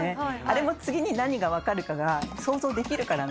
あれも次に何が分かるかが想像できるからなんです。